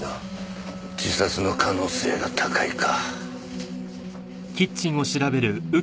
自殺の可能性が高いか。